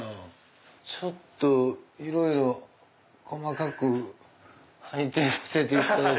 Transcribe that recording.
ちょっといろいろ細かく拝見させていただきたいです。